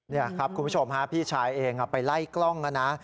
นี่ครับคุณผู้ชมฮะพี่ชายเองไปไล่กล้องนะนะ